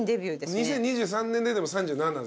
２０２３年ででも３７ですわ。